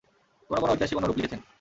কোন কোন ঐতিহাসিক অন্যরূপ লিখেছেন।